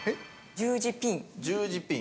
十字ピン。